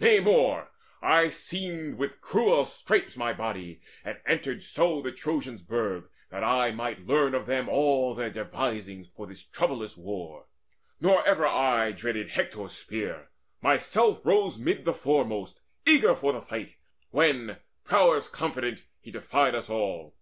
Nay more, I seamed With cruel stripes my body, and entered so The Trojans' burg, that I might learn of them All their devisings for this troublous war. Nor ever I dreaded Hector's spear; myself Rose mid the foremost, eager for the fight, When, prowess confident, he defied us all.